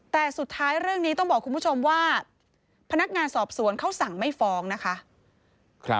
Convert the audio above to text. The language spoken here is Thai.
แต่สุดท้ายเรื่องนี้ต้องบอกคุณผู้ชมว่าพนักงานสอบสวนเขาสั่งไม่ฟ้องนะคะ